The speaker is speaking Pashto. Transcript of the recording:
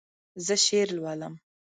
زه شعر لولم.